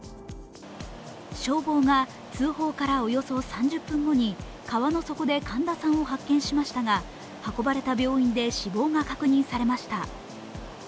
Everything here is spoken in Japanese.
消防が通報からおよそ３０分後に、川の底で神田さんを発見しましたが、運ばれた病院で死亡が確認されました。